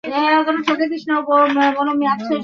তিনি তাঁর বাবাকেও হারান।